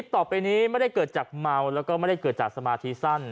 ต่อไปนี้ไม่ได้เกิดจากเมาแล้วก็ไม่ได้เกิดจากสมาธิสั้น